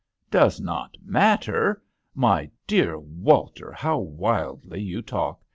'' Does not matter I My dear Walter, how wildly you talk